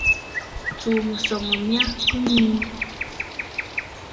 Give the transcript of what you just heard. Tsùu mɨsɔŋ oo my kɨ ŋii.